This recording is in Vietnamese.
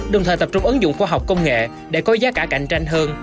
đồng thời tập trung ứng dụng khoa học công nghệ để có giá cả cạnh tranh hơn